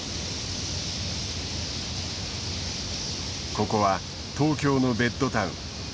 ここは東京のベッドタウン。